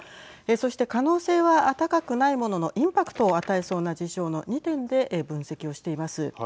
そして可能性は高くないもののインパクトを与えそうな事象の２点で分析をしています。